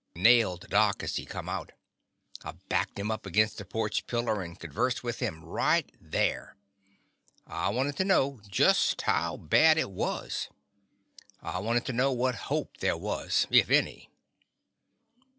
I nailed Doc as he come out. I backed him up against a porch pillar and conversed with him right there. I wanted to know just how bad it was. I wanted to know what hope there was, if any.